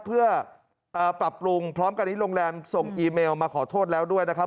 เพื่อปรับปรุงพร้อมกันนี้โรงแรมส่งอีเมลมาขอโทษแล้วด้วยนะครับ